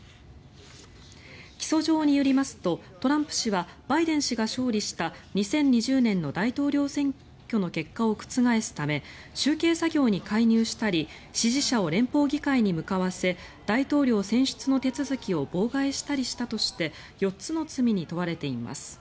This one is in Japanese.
起訴状によりますとトランプ氏はバイデン氏が勝利した２０２０年の大統領選挙の結果を覆すため集計作業に介入したり支持者を連邦議会に向かわせ大統領選出の手続きを妨害したりしたとして４つの罪に問われています。